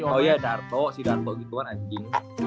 oh iya darto si darto gituan anjing